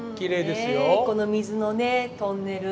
ねこの水のねトンネル。